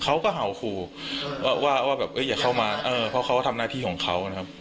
เขาก็เห่าขู่ว่าว่าแบบอย่าเข้ามาเออเพราะเขาทำหน้าที่ของเขานะครับ